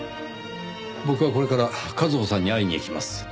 僕はこれからＫＡＺＨＯさんに会いに行きます。